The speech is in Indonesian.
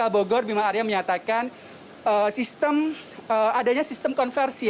bogor bima arya menyatakan sistem adanya sistem konversi